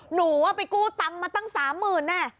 หนูว่าไปกู้ตังค์มาตั้ง๓๐๐๐แน่